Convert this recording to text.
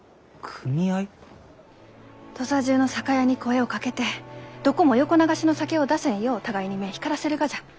土佐中の酒屋に声をかけてどこも横流しの酒を出せんよう互いに目光らせるがじゃ。